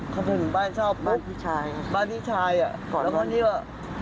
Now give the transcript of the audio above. เพราะตรงนั้นมันก็เป็นที่ห่วง